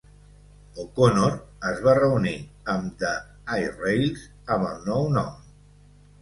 O'Connor es va reunir amb The I-Rails amb el nou nom.